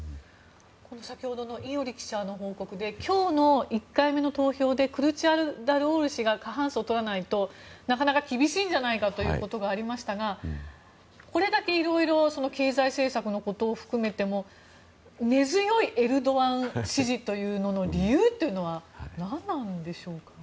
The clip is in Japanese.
先ほどの伊従記者の報告で今日の１回目の投票でクルチダルオール氏が過半数を取らないとなかなか厳しいんじゃないかということがありましたがこれだけいろいろ経済政策のことを含めても根強いエルドアン支持の理由は何なんでしょうか。